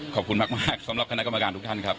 ขอบคุณมากสำหรับคณะกรรมการทุกท่านครับ